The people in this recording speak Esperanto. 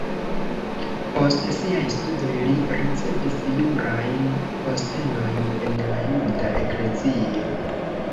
Post siaj studoj li ricevis jurajn postenojn en la juda eklezio.